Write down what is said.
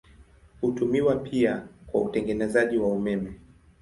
Hutumiwa pia kwa utengenezaji wa umeme.